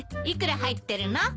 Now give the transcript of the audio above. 幾ら入ってるの？